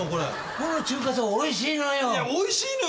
ここの中華そばおいしいのよ。